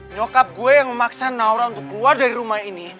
nyokap gue yang memaksa naura untuk keluar dari rumah ini